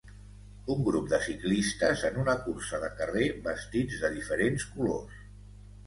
Un grup de ciclistes en una cursa de carrer vestits de diferents colors.